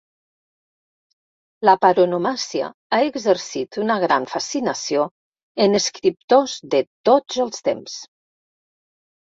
La paronomàsia ha exercit una gran fascinació en escriptors de tots els temps.